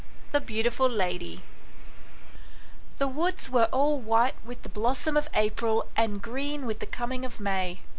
THE BEAUTIFUL LADY THE woods were all white with the blossom of April and green with the coming of May.